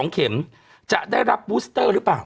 ๒เข็มจะได้รับบูสเตอร์หรือเปล่า